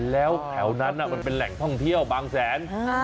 แล้วแถวนั้นมันเป็นแหล่งท่องเที่ยวบางแสน